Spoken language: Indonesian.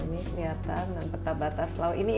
ini kelihatan dan peta batas laut ini